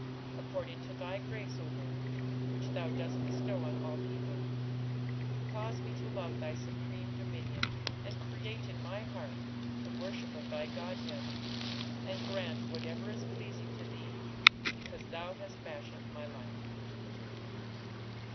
According to thy grace, O Lord, Which thou dost bestow on All people, Cause me to love thy supreme dominion, And create in my heart The worship of thy godhead And grant whatever is pleasing to thee, Because thou hast fashioned my life.